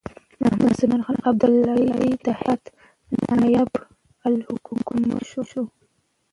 محمدزمان خان ابدالي د هرات نایب الحکومه شو.